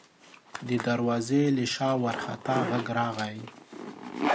د دروازې له شا وارخطا غږ راغی: